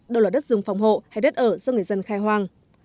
đâu là đất rừng phòng hộ hay đất ở do người dân khai hoang